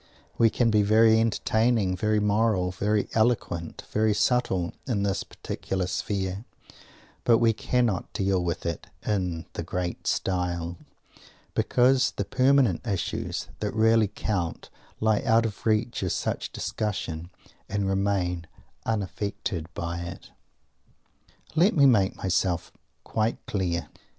We can be very entertaining, very moral, very eloquent, very subtle, in this particular sphere; but we cannot deal with it in the "great style," because the permanent issues that really count lie out of reach of such discussion and remain unaffected by it. Let me make myself quite clear.